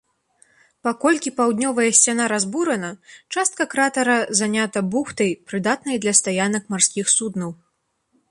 Паколькі паўднёвая сцяна разбурана, частка кратара занята бухтай, прыдатнай для стаянак марскіх суднаў.